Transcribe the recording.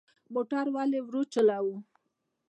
موټر ولې ورو چلوو؟